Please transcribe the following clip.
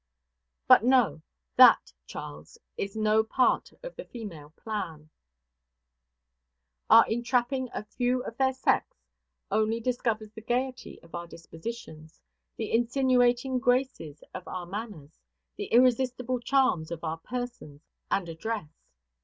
But no; that, Charles, is no part of the female plan; our entrapping a few of their sex only discovers the gayety of our dispositions, the insinuating graces of our manners, and the irresistible charms of our persons and address.